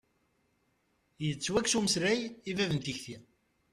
Yettwakkes umeslay i bab n tikti.